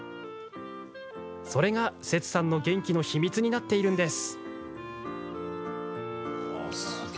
それが、セツさんの元気の秘密になっているんです。